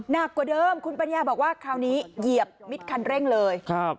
หนักกว่าเดิมคุณปัญญาบอกว่าคราวนี้เหยียบมิดคันเร่งเลยครับ